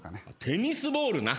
テニスボールな。